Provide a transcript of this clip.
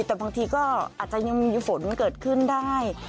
แต่บางทีก็อาจจะยังมีฝนเกิดขึ้นได้